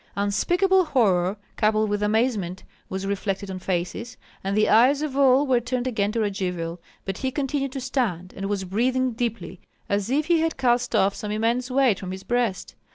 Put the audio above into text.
Unspeakable horror coupled with amazement was reflected on faces, and the eyes of all were turned again to Radzivill; but he continued to stand, and was breathing deeply, as if he had cast off some immense weight from his breast.